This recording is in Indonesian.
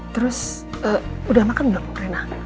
terus udah makan belum enak